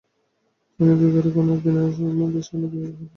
তিনি নদীর কেনারনৌকা বিনা সে নদীও হইলেন পার ।